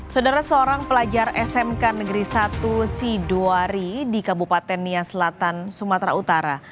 saudara seorang pelajar smk negeri satu sidowari di kabupaten nia selatan sumatera utara